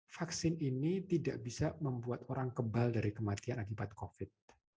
vaksin ini tidak bisa membuat orang kebal dari kematian akibat covid